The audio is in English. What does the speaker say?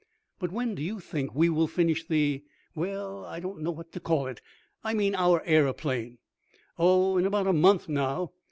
But when do you think we will finish the well, I don't know what to call it I mean our aeroplane?" "Oh, in about a month now.